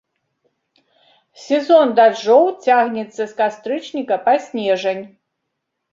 Сезон дажджоў цягнецца з кастрычніка па снежань.